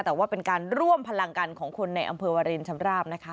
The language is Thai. แต่ว่าเป็นการร่วมพลังกันของคนในอำเภอวารินชำราบนะคะ